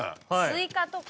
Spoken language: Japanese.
スイカとか。